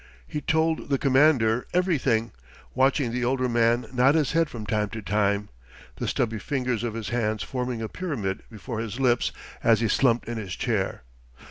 He told the Commander everything, watching the older man nod his head from time to time, the stubby fingers of his hands forming a pyramid before his lips as he slumped in his chair.